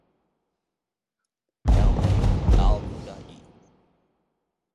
Now named "Al Huda I".